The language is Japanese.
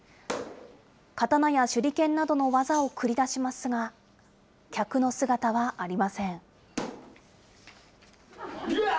刀や手裏剣などの技を繰り出しますが、客の姿はありません。